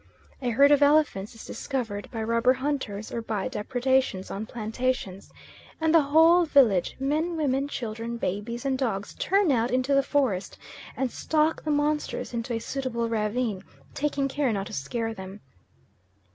A herd of elephants is discovered by rubber hunters or by depredations on plantations, and the whole village, men, women, children, babies and dogs turn out into the forest and stalk the monsters into a suitable ravine, taking care not to scare them.